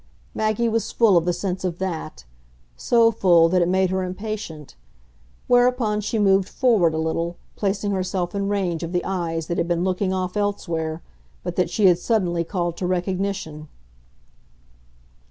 Maggie was full of the sense of THAT so full that it made her impatient; whereupon she moved forward a little, placing herself in range of the eyes that had been looking off elsewhere, but that she had suddenly called to recognition.